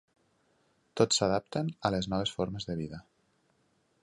Tots s'adapten a les noves formes de vida.